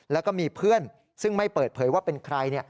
แล้วก็มีเพื่อนซึ่งไม่เปิดเผยว่าเป็นใคร